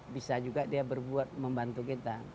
bisa juga dia berbuat membantu kita